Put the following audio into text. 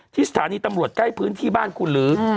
สถานีตำรวจใกล้พื้นที่บ้านคุณหรือ